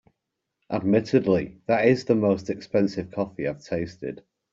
Admittedly, that is the most expensive coffee I’ve tasted.